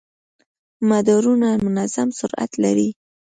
مدارونه منظم سرعت لري.